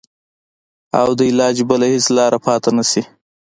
او د علاج بله هېڅ لاره پاته نه شي.